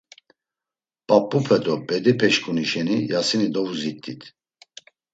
P̌ap̌upe do bedipeşǩuni şeni Yasini dovuzit̆it.